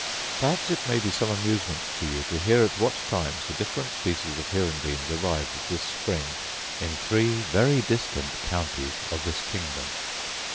Perhaps it may be some amusement to you to hear at what times the different species of hirundines arrived this spring in three very distant counties of this kingdom.